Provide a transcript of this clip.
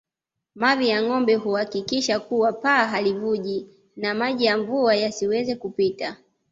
Mavi ya ngombe huhakikisha kuwa paa halivuji na maji ya mvua yasiweze kupita